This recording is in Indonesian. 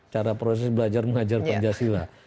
cara proses belajar mengajar pancasila